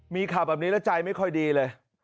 มีข่าวแบบนี้แล้วใจไม่ค่อยดีเลย